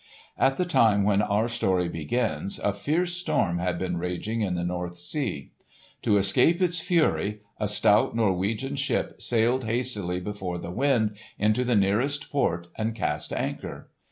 At the time when our story begins, a fierce storm had been raging in the North Sea. To escape its fury a stout Norwegian ship sailed hastily before the wind into the nearest port and cast anchor.